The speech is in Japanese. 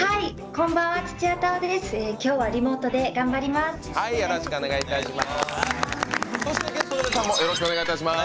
きょうはリモートで頑張ります。